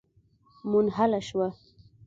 منحله شوه.